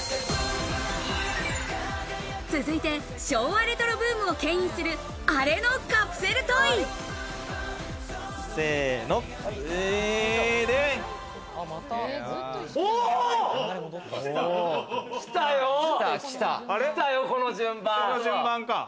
続いて、昭和レトロブームをけん引する、アレのカプセルトイ。来たよ、この順番。